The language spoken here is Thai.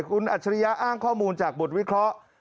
คุณอัจฉริยะอ้างข้อมูลจากบทวิเคราะห์